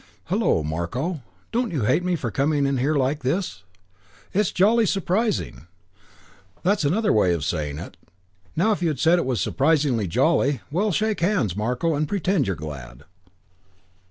"Hullo, Marko. Don't you hate me for coming in here like this?" "It's jolly surprising." "That's another way of saying it. Now if you'd said it was surprisingly jolly! Well, shake hands, Marko, and pretend you're glad."